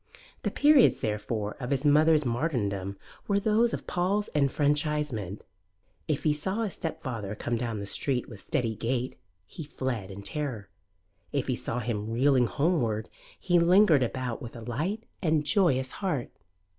The periods, therefore, of his mother's martyrdom were those of Paul's enfranchisement. If he saw his stepfather come down the street with steady gait, he fled in terror; if he saw him reeling homeward he lingered about with light and joyous heart.